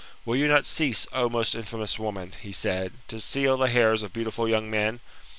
Will you not cease, O most infamous woman ! [he said] to steal the hairs of beautiful young men ?